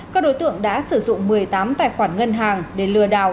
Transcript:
các đối tượng đã sử dụng một mươi tám tài khoản ngân hàng để lừa đảo